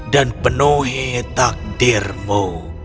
dan penuhi takdirmu